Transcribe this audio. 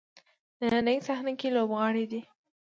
نننۍ صحنه کې لوبغاړی دی.